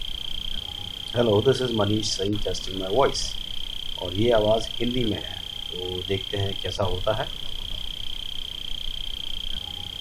He is the former Member of Parliament for the riding of Gatineau.